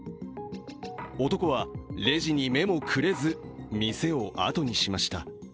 男はレジに目もくれず店をあとにしました。